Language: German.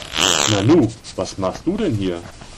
Nanu, was machst du denn hier?